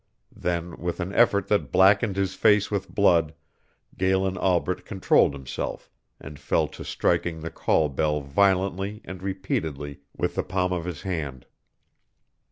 Then, with an effort that blackened his face with blood, Galen Albret controlled himself, and fell to striking the call bell violently and repeatedly with the palm of his hand.